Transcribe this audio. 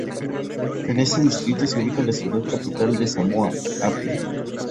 En este distrito se ubica la ciudad capital de Samoa, Apia.